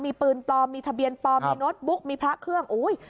มีปืนปลอมมีทะเบียนปลอมมีโน้ตบุ๊กมีพระเครื่องอุ้ย